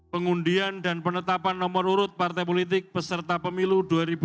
pengundian dan penetapan nomor urut partai politik peserta pemilu dua ribu dua puluh